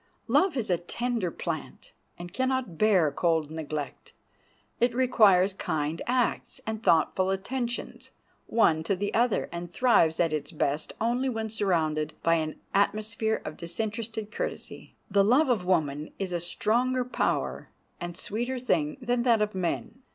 Love is a tender plant and can not bear cold neglect. It requires kind acts and thoughtful attentions, one to the other, and thrives at its best only when surrounded by an atmosphere of disinterested courtesy. The love of woman is a stronger power and a sweeter thing than that of man.